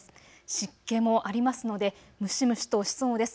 湿気もありますので蒸し蒸しとしそうです。